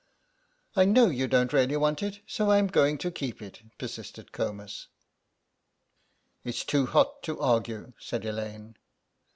"I know you don't really want it, so I'm going to keep it," persisted Comus. "It's too hot to argue," said Elaine.